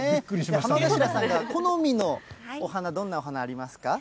浜頭さんが好みのお花、どんなお花ありますか？